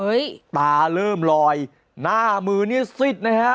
ตาเริ่มลอยหน้ามือนี่ซิดนะฮะ